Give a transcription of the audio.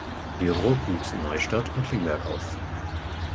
Dürbrook wuchs in Neustadt und Klingberg auf.